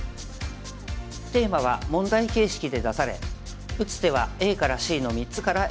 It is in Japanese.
テーマは問題形式で出され打つ手はＡからＣの３つから選んで頂きます。